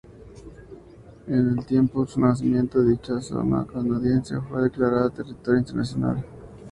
En el tiempo de su nacimiento, dicha zona canadiense fue declarada Territorio Internacional.